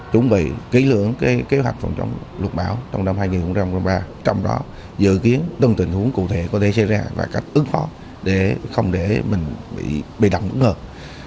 chuẩn bị kế hoạch phòng chống lũ lụt bão trong năm hai nghìn ba trong đó dự kiến tương tình hướng cụ thể có thể xảy ra và cách ứng phó để không để mình bị đắng ứng hợp